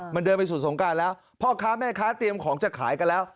มันเดินไปสู่สงการแล้วพ่อค้าแม่ค้าเตรียมของจะขายกันแล้ว